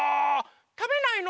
たべないの？